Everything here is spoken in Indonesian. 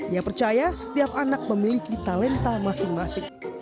ia percaya setiap anak memiliki talenta masing masing